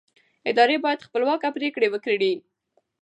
ادارې باید خپلواکه پرېکړې وکړي